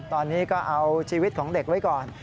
ตอนนี้ก็เอาชีวิตของเด็กไว้ก่อน